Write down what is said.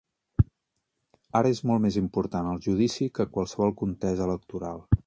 Ara és molt més important el judici que qualsevol contesa electoral.